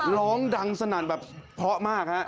ร้องดังสนั่นแบบเพราะมากฮะ